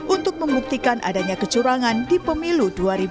untuk membuktikan adanya kecurangan di pemilu dua ribu dua puluh